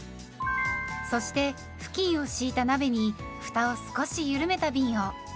そして布巾を敷いた鍋にふたを少しゆるめたびんを。